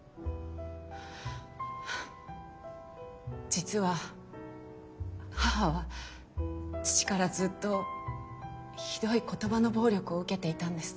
実は母は父からずっとひどい言葉の暴力を受けていたんです。